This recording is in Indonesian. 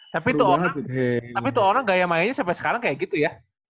tapi tuh orang tapi tuh orang gaya mayanya sampai sekarang kayak gitu ya